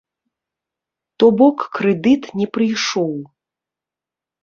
То бок, крэдыт не прыйшоў.